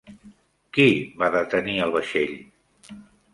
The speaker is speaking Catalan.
Qui va detenir el vaixell?